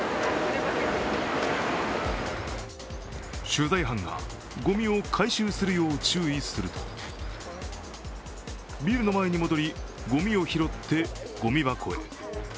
取材班がごみを回収するよう注意するとビルの前に戻り、ごみを拾ってごみ箱へ。